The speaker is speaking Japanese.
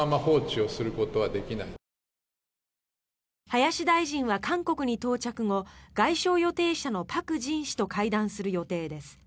林大臣は、韓国に到着後外相予定者のパク・ジン氏と会談する予定です。